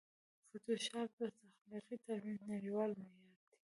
فوټوشاپ د تخلیقي ترمیم نړېوال معیار دی.